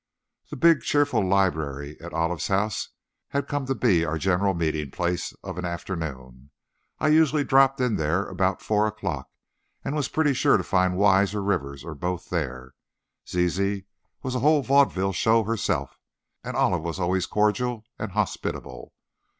The big, cheerful library at Olive's house had come to be our general meeting place of an afternoon. I usually dropped in there about four o'clock, and was pretty sure to find Wise or Rivers or both there. Zizi was a whole vaudeville show herself, and Olive was always cordial and hospitable.